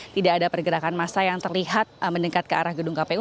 tidak ada pergerakan massa yang terlihat mendekat ke arah gedung kpu